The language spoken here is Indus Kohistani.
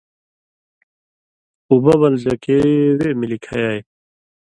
اُببل زکے وے ملی کھیائ